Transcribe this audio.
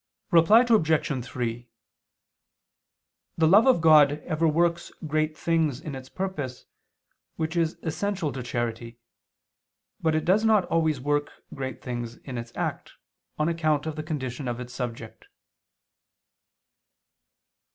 Reply Obj. 3: The love of God ever works great things in its purpose, which is essential to charity; but it does not always work great things in its act, on account of the condition of its subject.